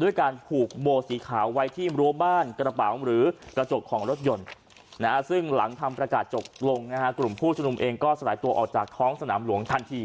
ด้วยการผูกโบสีขาวไว้ที่รั้วบ้านกระเป๋าหรือกระจกของรถยนต์ซึ่งหลังทำประกาศจบลงกลุ่มผู้ชมนุมเองก็สลายตัวออกจากท้องสนามหลวงทันที